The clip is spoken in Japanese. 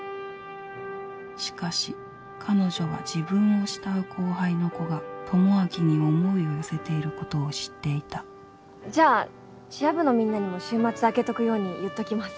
しかし彼女は自分を慕う後輩の子が智明に思いを寄せていることを知っていたじゃあチア部のみんなにも週末空けとくように言っときます！